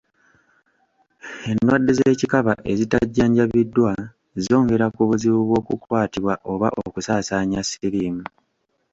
Endwadde z’ekikaba ezitajjanjabiddwa zongera ku buzibu bw’okukwatibwa oba okusaasaanya siriimu.